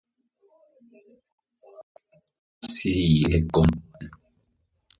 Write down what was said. Sólo, si se le compara con los otros miembros del Grupo pionero.